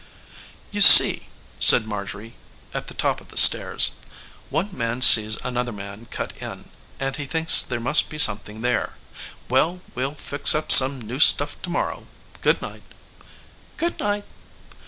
"You see," said Marjorie it the top of the stairs, "one man sees another man cut in and he thinks there must be something there. Well, we'll fix up some new stuff to morrow. Good night." "Good night."